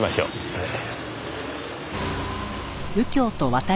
ええ。